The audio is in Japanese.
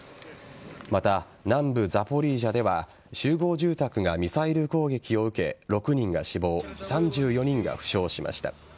また、南部・ザポリージャでは集合住宅がミサイル攻撃を受け６人が死亡３４人が負傷しました。